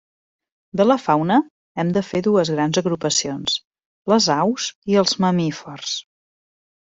De la fauna hem de fer dues grans agrupacions: les aus i els mamífers.